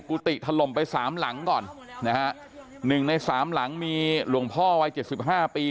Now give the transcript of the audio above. กติถล่มไปสามหลังก่อนนะฮะหนึ่งในสามหลังมีหลวงพ่อวัยเจ็ดสิบห้าปี